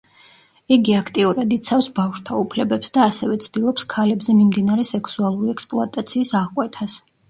იგი აქტიურად იცავს ბავშვთა უფლებებს და ასევე ცდილობს, ქალებზე მიმდინარე სექსუალური ექსპლუატაციის აღკვეთას.